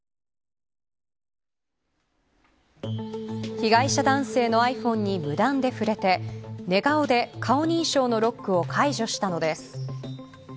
被害者男性のｉＰｈｏｎｅに無断で触れて寝顔で顔認証のロックを解除したのです。